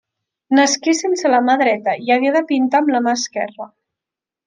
Nasqué sense la mà dreta i hagué de pintar amb la mà esquerra.